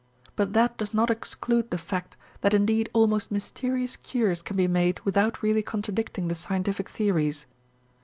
But that does not exclude the fact that indeed almost mysterious cures can be made without really contradicting the scientific theories.